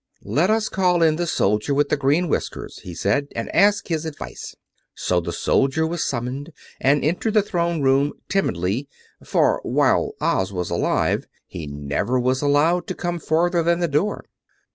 "Let us call in the soldier with the green whiskers," he said, "and ask his advice." So the soldier was summoned and entered the Throne Room timidly, for while Oz was alive he never was allowed to come farther than the door.